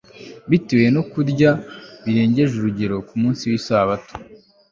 bitewe no kurya birengeje urugero ku munsi w'isabato